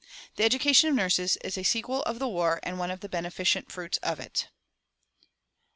The education of nurses is a sequel of the war and one of the beneficent fruits of it.